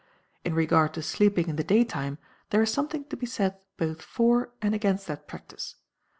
In regard to sleeping in the daytime, there is something to be said both for and against that practice.